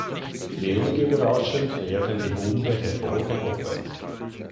Wenig überraschend werden die Hunde hervorgehoben.